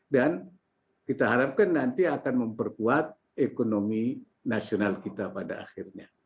dan kita harapkan nanti akan memperkuat ekonomi nasional kita pada akhirnya